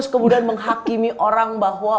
kemudian menghakimi orang bahwa